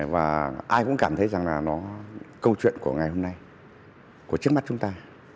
và ai cũng cảm thấy rằng là nó câu chuyện của ngày hôm nay của trước mắt chúng ta